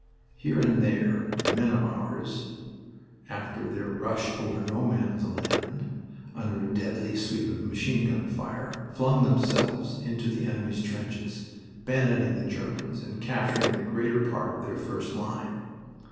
Here and there men of ours, after their rush over No Man's Land under a deadly sweep of machine gun fire, flung themselves into the enemy's trenches, bayoneting the Germans and capturing the greater part of their first line.